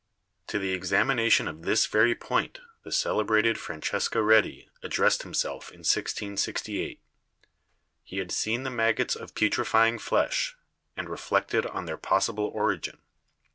To the examination of this very point the celebrated Francesco Redi addressed himself in 1668. He had seen the maggots of putrefying flesh, and reflected on their pos sible origin.